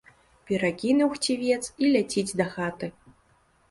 Перакінуў хцівец і ляціць дахаты.